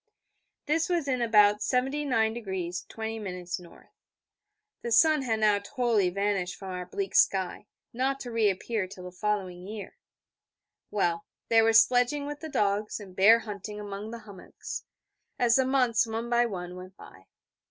This was in about 79° 20' N. The sun had now totally vanished from our bleak sky, not to reappear till the following year. Well, there was sledging with the dogs, and bear hunting among the hummocks, as the months, one by one, went by.